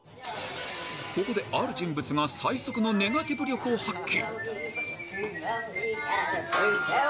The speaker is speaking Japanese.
ここで、ある人物が最速のネガティブ力を発揮。